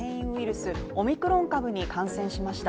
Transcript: スオミクロン株に感染しました